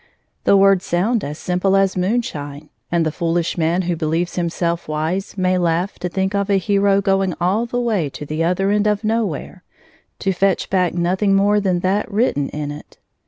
The words sound as simple as moonshine, and the foolish man who believes himself wise may laugh to think of a hero going all the way to the other end of nowhere to fetch back nothing more than that written in it.